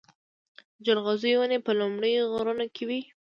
د جلغوزیو ونې په لوړو غرونو کې وي.